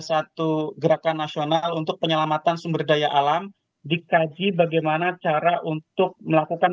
satu gerakan nasional untuk penyelamatan sumber daya alam dikaji bagaimana cara untuk melakukan